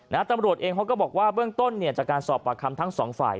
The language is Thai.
ตำรวจเองเขาก็บอกว่าเบื้องต้นเนี่ยจากการสอบปากคำทั้งสองฝ่าย